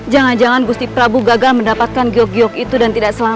jangan jangan bistri pradu gagal mendapatkan giyok giyok itu dan tidak selamat